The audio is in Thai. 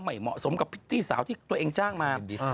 ไม่เหมาะสมกับพริตตี้สาวที่ตัวเองจ้างมา